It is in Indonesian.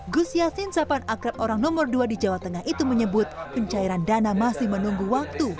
gus yassin sapan akrab orang nomor dua di jawa tengah itu menyebut pencairan dana masih menunggu waktu